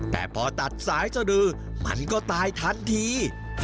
แต่พอตัดสายสะดือมันก็ตายทันที